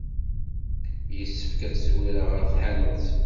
Yessefk ad zwireɣ ɣer tḥanut.